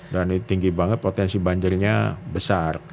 dan ini tinggi banget potensi banjirnya besar